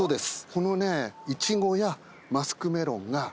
このね。